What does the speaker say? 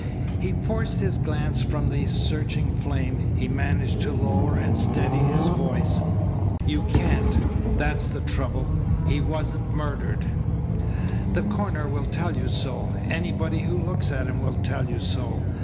He forced his glance from the searching flame. He managed to lower and steady his voice. "You can't. That's the trouble. He wasn't murdered. The coroner will tell you so. Anybody who looks at him will tell you so.